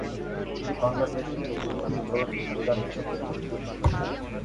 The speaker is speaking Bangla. তিনি বাংলা টেকনো, লোকগীতি ও চলচ্চিত্রের গানের জন্য সমধিক পরিচিত।